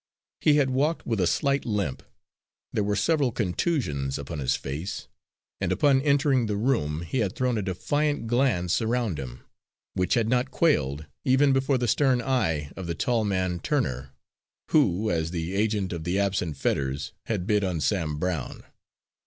He had walked with a slight limp, there were several contusions upon his face; and upon entering the room he had thrown a defiant glance around him, which had not quailed even before the stern eye of the tall man, Turner, who, as the agent of the absent Fetters, had bid on Sam Brown.